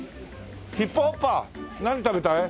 ヒップホッパー何食べたい？